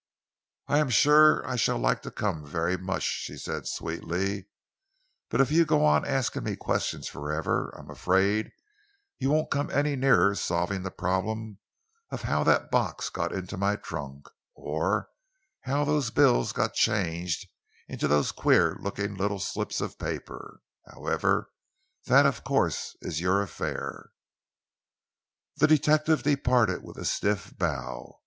"I am sure I shall like to come very much," she said sweetly, "but if you go on asking me questions forever, I am afraid you won't come any nearer solving the problem of how that box got into my trunk, or how those bills got changed into those queer looking little slips of papers. However, that of course is your affair." The detective departed with a stiff bow.